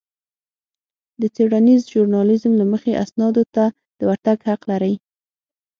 د څېړنيز ژورنالېزم له مخې اسنادو ته د ورتګ حق لرئ.